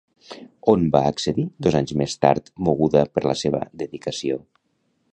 On va accedir dos anys més tard moguda per la seva dedicació?